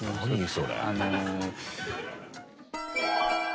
それ。